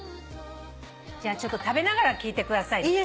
じゃあちょっと食べながら聞いてください。